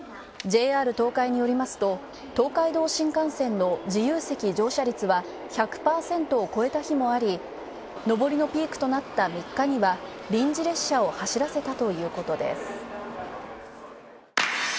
ＪＲ東海によりますと、東海道新幹線の自由席乗車率は１００％を超えた日もあり、上りのピークとなった３日には臨時列車を走らせたということです。